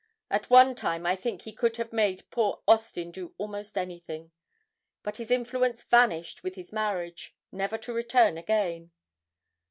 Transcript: At one time I think he could have made poor Austin do almost anything; but his influence vanished with his marriage, never to return again.